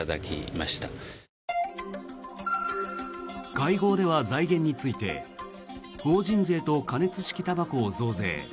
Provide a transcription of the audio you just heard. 会合では財源について法人税と加熱式たばこを増税。